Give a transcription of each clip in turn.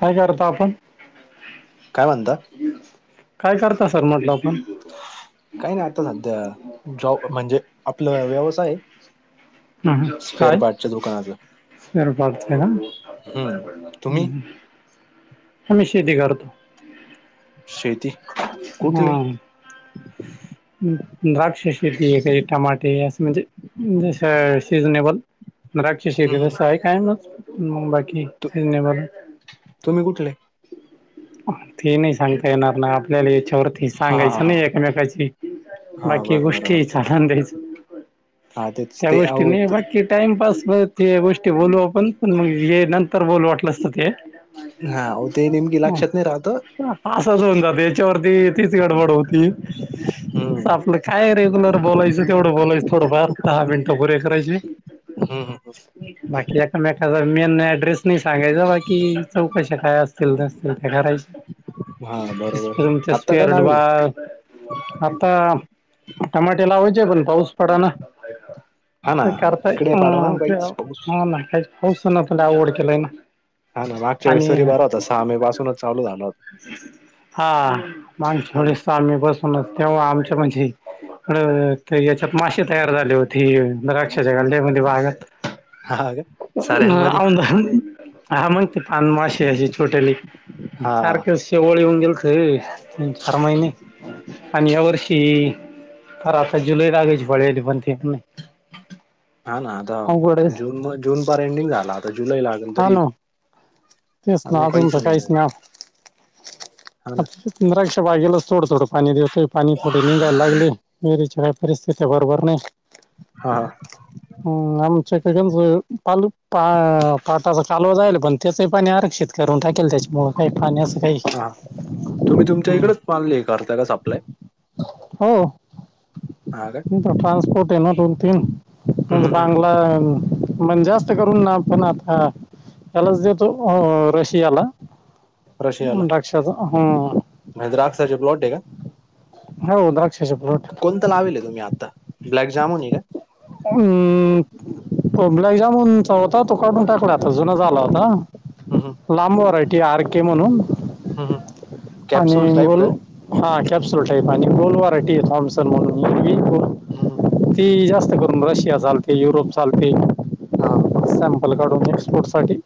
काय करतो आपण काय म्हणता? काय करता सर म्हटलं आपण काही नाही आता सध्या जॉब म्हणजे आपलं व्यवसाय हम ह स्पेअर काय पार्टच्या दुकानाचं. सर पाडते ना हं. तुम्ही? हम् हमेशाधखारतो शेती कुठले? हा द्राक्ष शेती आहे का टमाटे अस म्हणजे जस सीझनेबल राक्ष स हं, हं. तसं आहे काय बाकी क तु सजने बण तुम्ही कुठले? ती नाही सांगता येणार नाही आपल्याला ोरती हां, हां, सांगायचं नाही हां. एकमेकाची हां. बाकी बरं, बरं, गोष्टी बरं. चाल दच हां, तेच त्या ते अहो गोष्टीने ते बाकी टाइमपास ब ते गोष्टी बोलू आपण पण मग हे नंतर बोलू वाटलंसत ते ते ते निम इ लक्षात नाही राहतो असच होऊन जात याच्यावरती तीच गडबड होती असं हं. आपलं काय रेग्युलर बोलायचं तेवढं बोलायं थोडंफार दहा मिनटं पुरे करायचे हम् हम हम बाकी एकामेकाचा मीना ऍड्रेस नाही सांगायचा बाकी चौकशी काय अस असलतीलल तर हां, बरोबर. आत्ता काय करायचे [unintelligible] लावेल बा आहे? आता टमाटे लावाचे पण पाऊस पडा ना. हां ना. का हा. करताय इकडे पडा ना काहीच पाऊस. नाही, काही पाऊस ना त आवड केलाय ना. हा ना मागच्या वेळेस आणि सरी बारा होता. सहा मे पासूनच चालू झालं होता. हा माग हां ना. थोडीस आम्ही बसून तेव्हा आमच्या म्हणजे मासे तयार झाले होती. द्रक्षाच्या गल्यामध्ये भागात. हां का? साऱ्यांमध्ये? ह मग त प टोटली हां. सारखे शेवळी होऊन गेलत. फर्माहि नाही. आणि या वर्षी तर आता जुलै लागायची पळली पण ते नाही. हा ना, आता अवघड आहे जून म जून प एंडिंग झाला आता जुलै लागेल हा तरी ना तेच ना अजून तर काहीच नाही हा आता ना बसून राहायचं. बागेलंच तोडतोड पाणी देतोय पाणी थोडी निघायला लागले. विहिरीचच्या काही परिस्थिती बरोबर नाही. हा ह आमच्याकडेच गंज पालू पा पा त कालव जायल. पण त्याचही पाणी आरक्षित करून टाकेल. त्याच्यामुळेळ काही पाणी असं काही हा तुम्ही तुमच्या हम्म इकडेच पानल ये करताय का सप्लाय? हो. हा काय ट्रानसपोर्ट न दोन, तीन. हम्म, हम्म, हम्म. बांगला मण जास्त करून ना पण आता यालाच देतो रशियाला. रशियाला द्राक्षाचा हम्. म्हणजे द्राक्षरचे प्लॉट आहे का? हो द्राक्षाचे प्लॉट कोणता लावेल तुम्ही आता? ब्लॅक जामुून आहे का? म. तो ब्लाक जाामुन चा होता तो काढून टाकला. आता जुना झाला होता. का लांबरायटी आर के म्हणून. कॅप्सूल टाईप काय आणिंगोल हा कॅप्सल टाईप. आणि गोलवारयटी थॉम्सन म्हणून हिरवे. ह ह. जास्त करून रशिया चालते, युरोप चालते. हा. पलकाडून एक्सपोर्ट साठी.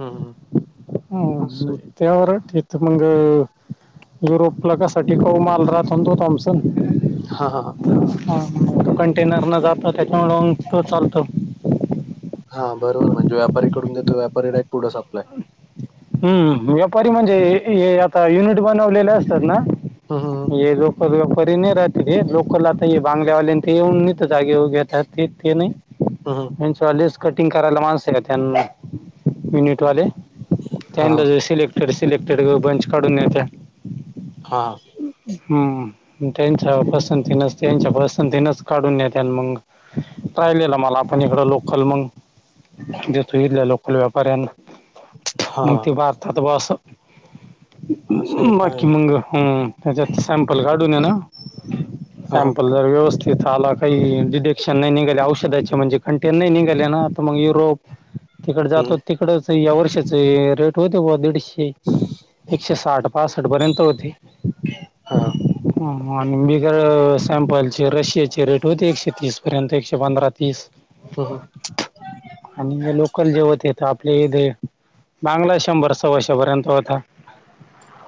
हम्म, हम्म. असं ह आहे त्यावरथ मंग युरोपला कसा टिकाऊ मल चल तू थॉमसन. हा हा हा हा तो कंटेनर न जात त्याच्यामुळे मंग तो चालतो. हा बर. व्यापारीकडून घेतो. व्यापारीला एक पुढं सप्लाय. हम्म व्यापारी म्हणजे आता युनिट बनवलेले असतात ना. हा हा. परी नाही राहतील हे. लोकला आता हे, बांगल्या आल्या आणि ते येऊन नाही तर जागेऊ घेेतात ते ते नाही. यांच्या वालेच कटिंग करायला माणस येत्यांना युनिटवाले. हा त्या सिलेक्टेड सिलेक्टेड बंच काढून नेत्या. हा हम्म. त्यांच्या पसंतीनच त्यांच्या पसंतीनच काढून नेत मग राहिलेलं मला आपण इकडं लोकल मग देतो. इधल्या लोकल व्यापाऱ्यांना. मग हा, ते भारतात बस असं आहे काय बाकी मंग ह त्याच्यात सॅम्पल काढून ये ना. हा हा सॅमपल जर व्यवस्थित. तिथं आला काही डडेक्शन नाही निघाले औषधाचे म्हणजे कंटेन नाही निघ ना आता मग युरोप तिकड हम्म, जातो तिकडच या वर्षाच रेट होते दीडशे एकशे साठ पासष्ट पर्यंत होती. हा. आणि बगर सॅम्पलचे रशियाचे रेट होते एकशे तीस पर्यंत एकशे पंधरा तीस हम्म, आणि लोकल जेवत येत आपले बांगला शंभर सवशेपर्यंत होता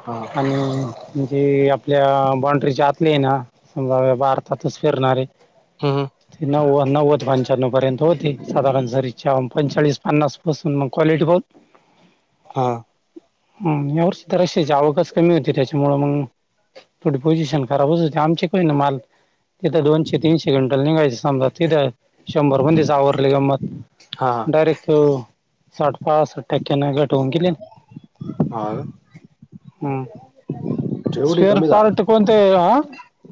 हा आणि म्हणजे आपल्या बॉड्री जातली आहे ना सजाव्या भारतातच फिरणारे हम्म हम्म. ते नव्वद नव्व ते पंच्याण्णव पर्यंत होते साधारण सरीच्या पंचाळीस पन्नास पासून मग क्वालीटी बहत हा. हम्म म्युटस तर असे जाळवताच कमी होते त्याची. त्यामुळे मग थोडी पोझिशन खराबच होते आमचे काही ना माल तिथं दोनशे तीनशे घंटाल निघायचं समजा तिथे शंभर पण तस आवरले गंम हा डयरेक्ट साठ पा टक्क्याना घट होऊन गेले हा हम्म. जेवढी स्पेर कमी झाल पार्ट कोणते हा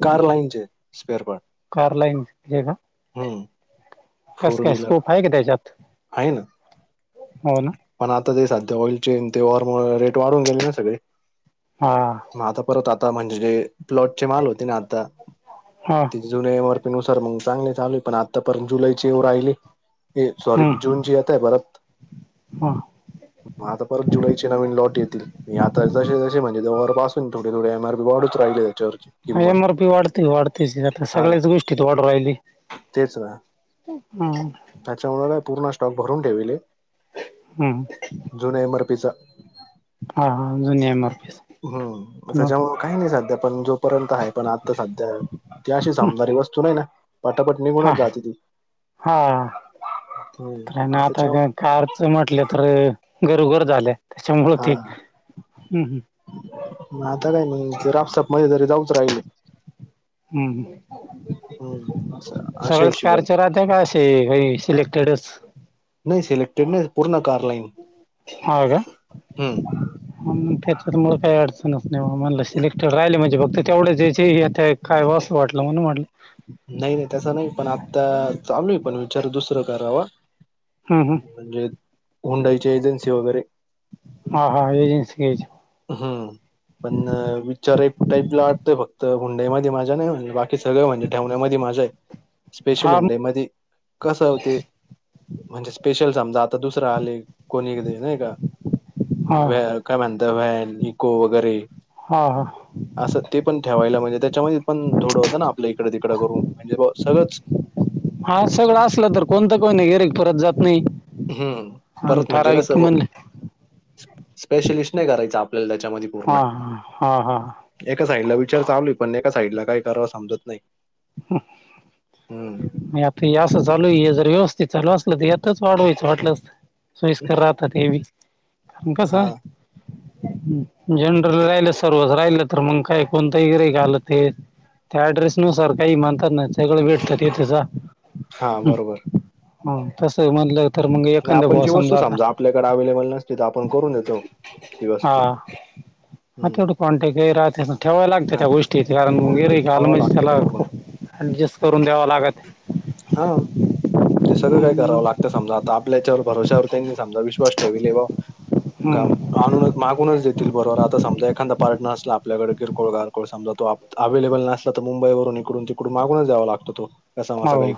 कार लाईनचे स्पेअर पार्ट का लाईने हम्म फोर व्हीलर स्कोप आहे का त्याच्यात आहे ना. हो ना पण आता ते साध्ये ऑइल चेन ते वर रेट वाढून गेले ना सगळे हा म आता परत आता म्हणजे. प्लॉट चे माल होते ना आता हा त जुने्या एमपी नुस सर मग चांगले चालू पण आता परंत जुलै एव राहिली हे सॉरी हम्म जूनचीी आत आहे भारत मग आता परत जुलैचे नवीन लॉट येतील मी आता जशे जशे हे रविवारपासून थोडी थोडी एम आर पी वाढूनच राहिली आहे. एम आर पी वाढते वाढतेच आता हा ना सगळ्याच गोष्टीत वाढ राहिली तेच ना हम्म. त्याच्यामुळे काय पूर्ण स्टॉक भरून ठेले हम्म. जुन एम आर पी चा. हा हा जुन मार पी. हम्म पण त्याच्यामु काही नाही साध्या पण जोपर्यंत आहे पण आत्ता साध्या ती अशी समदारी वस्तू नाही ना पाटापटणी हा गुणच जाते ती हा हम्म. तर मग आता त्याच्या कारच म्हटलं तर घरोघर झालं त्याच्यामु हा ते हम्म हम्म. आता काही नाही ते रापसाप मध्ये तरी जाऊच राहिले. हम्म. हम्म अस अशा सगळच हिशोबाने कारच राहत का असे काही सिलेक्टेडच नाही सिलेक्टेड नाही पूर्ण कार लाईन ह का. हम्म मग त्याच्यातमुळ काही अडचणच नाही म्हण सिलेक्टेड राहिले म्हणजे बघ तर तेवढ्याच यय काय असं वाटलं म्हण म्हटलं नाही नाही तस नाही पण आता चालू आहे पण विचार दुसरं करावा हम्म हम्म म्हणजे हुंडाईची एजन्सी वगैरे ह हा हे ये जे ये हम्म पण विचार एक टाईपला वाटतय फक्त हुंडई मध्ये माझ्या नाही बाकी की सगळं म्हणजे ठेवण्यामध्ये माझा आहे. स्पेशल हा हुंडई मध्ये कसं होते म्हणजे स्पेशल समजा आता दुसरं आले कोणी नाही का हा व काय म्हणत व्हॅन इको वगैरे हा हा. असं ते पण ठेवायला म्हणजे त्याच्यामध्ये पण थोडं होतं ना आपल्या इकडें तिकडं करून म्हणजे सगळंच हा सगळं असलं तर कोणतं कोणी नाही गिर परत जात नाही. हम्म आणि परत म्हणजे कस ठराविक म्हणले स्पेशलिस्ट नाही करायच आपल्याला चा मध्ये पूर्ण हा हा हा हा एका साईडला विचार चालू ये पण साईड ला काय करावं समजत नाही. हम्म आता यां चालू ये जरी व्यवस्थित चालू असलं तर याताच वाढवायचं वाटलं असतं सोईस्कर राहतात हे बी काम कस... हा जनरल राहिलं सर्वच राहिलं तर मग काय कोणतं इरे का आलं ते... त्या ऍड्रेस नुसार काही म्हणतात ना सगळं भेटतात येथे जा... हा बरोबर... हा तस आहे म्हणलं... तर मग नाही एखादा आपण बुवा जी वस्तू आता समजा आपल्याकडे अवैलेबल नसती तर आपण करून देतो... ती हा... वस्तू आ हम्म थोड कॉन्टॅक्ट काई रा्री ठेवायला लागतात हा त्या गोष्टी कारण मग ते मुंगिरी काल ठेवावं लागतं ते मजला... पूर्ण ॲडजस्ट करून द्यावं लागताय... हा आपल्याच्यावर भरोश्यावर त्यांनी समजा विश्वास ठेविले बा... का हम्म. आणूनच मागूनच देतील बरोबर आता समजा एखादा... पार्टनर असला आपल्याकडे किरकोळ गारकोळ समजावतो अवेलेबलसला तर मुंबईवरून इडून तिकडून मागूनच द्याव लागतो... होतो.. हो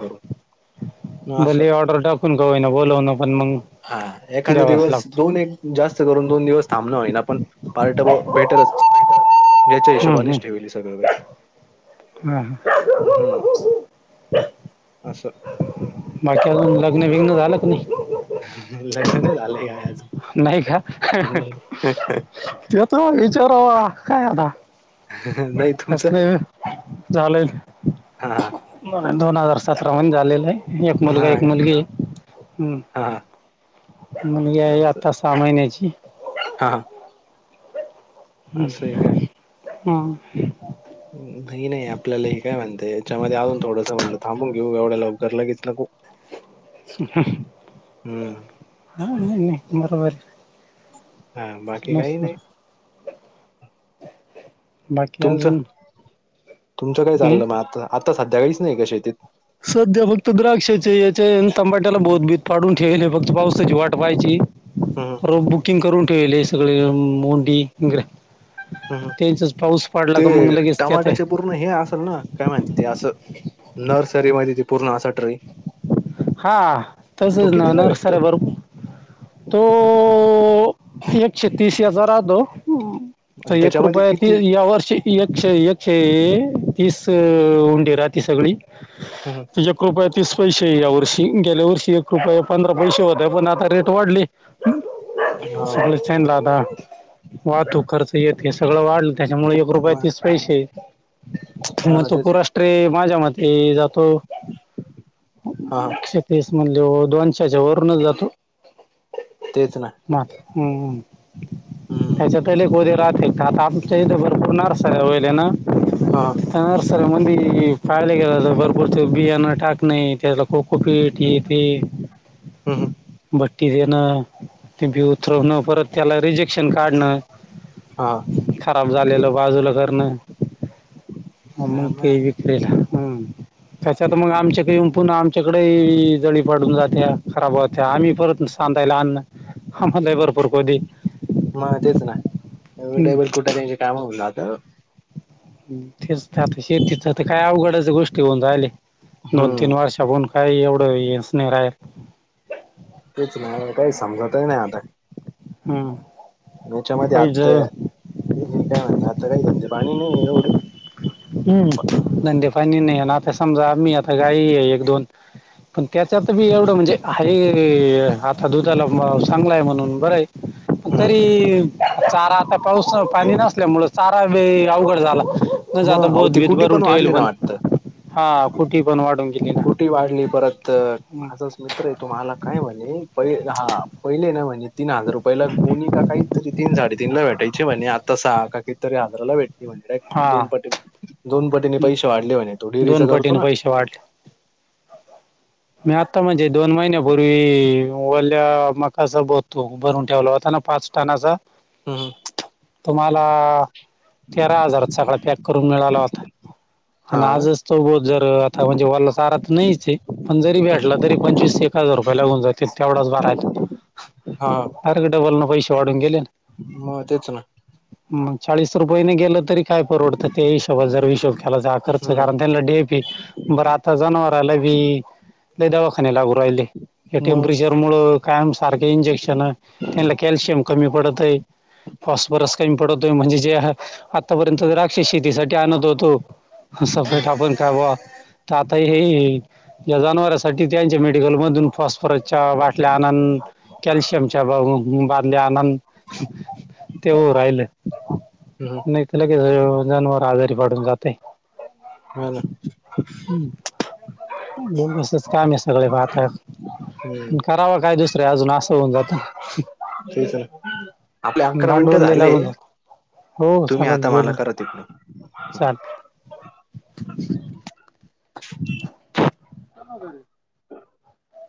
असं भलेही ऑर्डर टाकून का होईना.. बोलवणं पण मग हा एखाद्या द्यावाच दिवस लागतो दोन एक जास्त करून दोन दिवस थां... होईना पण पपार्ट भेटेलच याच्या हिशोबानेच ठेवली सगळं काही... ह हा... अस.. बाकी अजून लग्न बिघन झालं क नाही... लग्ने नाय झालय अजून... नाही का नाही ते तर विचारावा काय आता... नाही तुमचं.... झालेल... हा दोन हजार सतरा म झालेलाय आहे एक हा मुलगा एक का मुलगी आहे... हा मुलगी असं आता सहा महिन्याची... हा हा.. हम्म हा नाही नाही आपल्याला हे काय म्हणत याच्यामध्ये आऊन थोडंस म्हणल थांबून घेऊ एवढ्या लवकर लगेच नको.. ह हम्म. नाही बरोबर... हा आहे. बाकी काही नसतं. नाही... बाकीक तुमचं आजून... तुमचं काय चालं म आता आता सध्या काहीच नाही का शेतीत... सध्या फक्त द्राक्षाचे... ते तंबाट्याला बोधबीत पाडून ठेवल हे फक्त पाऊसाची वाट पाहायची हं, र बुकिंग करून.. वलेसग म मोडी इर हम् ह ते लगेच त्यात आहे. टमाट्याचे पूर्ण हे असेल ना काय माहिती ते असं... नर्सरीमध्ये त ती पूर्ण असा ट्रे... हा तो तसच ना कितीला नर्सर भेटतो? आहे बरोर तो... एकशे तीस हेचा राहतो... तर आणि एक त्याच्यामध्ये रुपया ती किती या वर्ष एकशे एकशे तीस उंडी रा... ती सगळी हं, तुझ्या कृपया तीस पैसे यावर... वर्षी गेल्या वर्षी एक रुपये पंधरा पैसे होते पण आता रेट वाढली... हां. सगलेन राता.. वाहतूक खर्च येत हे सगळं वाढलं त्याच्यामुळे एक रुपये मग तीस पैसे... हां म ना तेच पुरा ट्रे माझा मते... ते जातो हां, म्हणल हां. दोनशे पीस म्हंटल्यावर त्याच्यावरूनच जातो.. तेच ना. हं, त्याच्या तलेक उदे राहतील का आता आमच्या इथे भरपूरणारसा वयले ना... हा... सर मंद पाळळेले गेला बर बरते बिया ना टाक नाही. खो खो पेट येथे हं, हं. िझ ना त बथर. परत त्याला रिजेक्शन काढणं हां. खराब झालेलं बाजूला करणं. मग ते विक्रल हम कत मग आमच्या काही उ आम आच्याकडे जळी पाडून जात्या खराब होत्या आम्ही परत सांताायला अ् आम्हाला बर. उपरकध म तेच नाडबल कुठ त्यांचे काय म्हला आता. तेच तर आता शेतीच तर काय अवघडच गोष्टी होऊन राले दोन हं. तीन वर्षाप काही एवढं स्नेर आहेत. तेच नाही काही समजतही नाही आता हम्म. मच्यामध्ये आता हे काय म्हणत आता काही धंदे पाणी नाही एवढं. हम्म धंदे पाणी नाही ना आता समजा आम्ही आता गाई आहे एक दोन पण त्याच तर बी एवढं म्हणजे अ आता दुधाला चांगलाय म्हणून बरं आहे. हम्म. तरी चारा आता पाऊस पाणी नसल्यामुळ चारा ब अवघड झाला न मग जात. अह बोध ती भी कुटी भरून ठेल वाढली ना पण हा कुठी पण वाढून गेली ना कुठी वाढली परत हम्म, माझच मित्र आहे तुम्हाला काय म्हणे. प हा पहिले ना म्हणेजे तीन हजार रुपयाला गोणी का काही तरी तीन साडे तीनला भेटायचे म्हणे आ. तसा काि तरी आंध्रला भे म्हणजे हा दोन पटी दोन पटींनी हम्म, पैसे वाढले म्हज तो डेअरीचा दोन करतो पटीने ना. पैसे वाढले मी आत्ता म्हणजे दोन महिने पूर्वी वल्या मकाचा बघतो भरून ठेवला होताना पाच टाणाचा. हम् हम. तुम्हाला तेरा हजार सकाळा पॅक करून मिळाला होता. आणि हा का? आजच तो बो जर आता म्हणजे वल्ला सारा तर नाहीच. पण जरी भेटला हम्म. तरी पंचवीस ते एक हजार रुपये लागून जातील तेवढाच बारा आहेत. हा अरक डबल ना पैसे वाढून गेले. म तेच ना. चाळीस रुपयेने गेलं तरी काय परवडतं ते हिशोबा जर हिशोब केला जा खर्च हम्म कारण त्यांना डीपी बर आता जनावर आला. ल दऊखानलागूरहिले हे मग टेम्परेचर मुळ काय सारखे इंजेक्शन त्यांला कॅल्शियम कमी पडत आहे. फॉसबरस कमी पडवतो म्हणजे जे आतापर्यंत राक्षस शेतीसाठी आणत होतो. सपरेट आपण काय ब तर आता हे. या जनाववरांसाठी त्यांच्या मेडिकल मधून फॉस्फरसच्या बाटल्या आणंद कॅल्शियमच्या बादल्या तेव राहिले हम्म नाही त्या क ज काजारी पाडून जाते. हो ना. ब अससच काम आहे सगळे आता हम्म पण कराव काय दुसरे अजून अस. होन जातात ना. ते तर आपले अकरा मिनिटे भांडवल लय झालेय. लागून जात हो तुम्ही चालेल आता मला बोलू करत इकड. [inaudible] हो का?